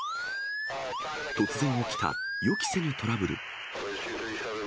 突然起きた予期せぬトラブル。